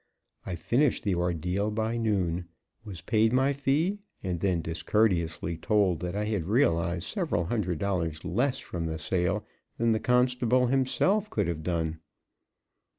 I finished the ordeal by noon, was paid my fee, and then discourteously told that I had realized several hundred dollars less from the sale than the constable himself could have done.